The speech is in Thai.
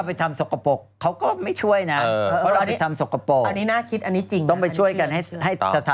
เพราะเราไปทำโจกปกเขาก็ไม่ช่วยนะ